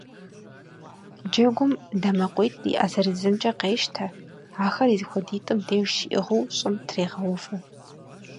Джэгум дамэкъуитӀ и Ӏэ зырызымкӀэ къещтэ, ахэр и зэхуэдитӀым деж щиӀыгъыу щӀым трегъэувэ.